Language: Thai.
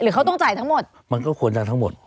เขาต้องจ่ายทั้งหมดมันก็ควรจ่ายทั้งหมด